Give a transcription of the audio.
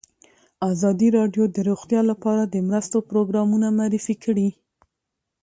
ازادي راډیو د روغتیا لپاره د مرستو پروګرامونه معرفي کړي.